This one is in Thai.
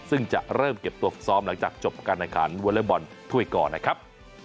ซึ่งจะเริ่มเก็บตัวฝึกซ้อมหลังจากจบการแข่งขันวอเล็กบอลถ้วยก่อนนะครับ